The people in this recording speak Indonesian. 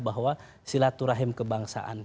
bahwa silaturahim kebangsaan